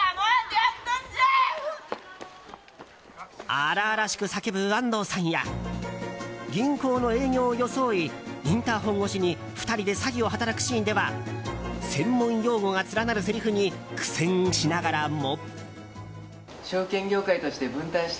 荒々しく叫ぶ安藤さんや銀行の営業を装いインターホン越しに２人で詐欺を働くシーンでは専門用語が連なるせりふに苦戦しながらも。